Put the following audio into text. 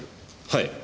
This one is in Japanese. はい。